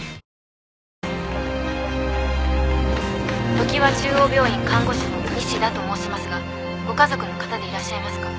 「常和中央病院看護師の西田と申しますがご家族の方でいらっしゃいますか？」